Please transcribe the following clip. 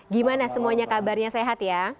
gimana semuanya kabarnya sehat ya